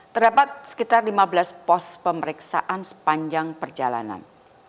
terdapat sekitar lima belas pos pemeriksaan sepanjang perjalanan